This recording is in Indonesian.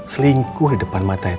selingkuh di depan mata tantri loh